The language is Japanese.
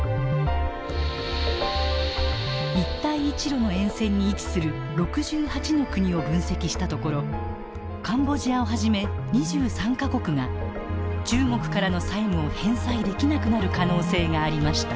一帯一路の沿線に位置する６８の国を分析したところカンボジアをはじめ２３か国が中国からの債務を返済できなくなる可能性がありました。